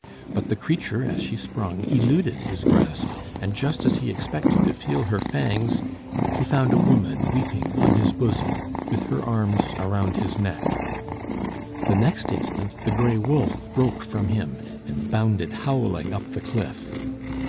But the creature as she sprung eluded his grasp, and just as he expected to feel her fangs, he found a woman weeping on his bosom, with her arms around his neck. The next instant, the gray wolf broke from him, and bounded howling up the cliff.